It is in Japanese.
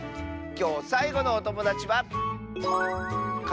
きょうさいごのおともだちは。